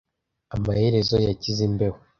Amaherezo yakize imbeho.